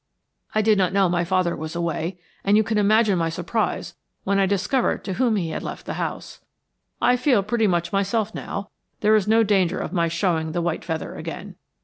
I did not know my father was away, and you can imagine my surprise when I discovered to whom he had left the house. I feel pretty much myself now; there is no danger of my showing the white feather again.